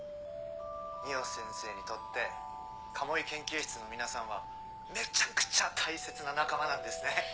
海音先生にとって鴨居研究室の皆さんはめちゃくちゃ大切な仲間なんですね。